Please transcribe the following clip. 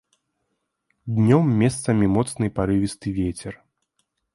Днём месцамі моцны парывісты вецер.